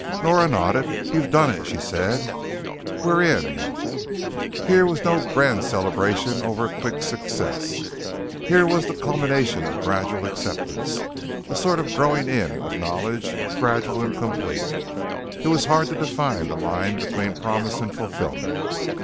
Nora nodded. "You've done it," she said. "We're in." Here was no grand celebration over a quick success. Here was the culmination of gradual acceptance, a sort of growing in of knowledge, gradual and complete. It was hard to define the line between promise and fulfillment.